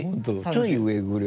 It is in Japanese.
ちょい上ぐらい。